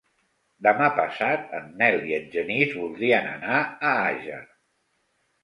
Demà passat en Nel i en Genís voldrien anar a Àger.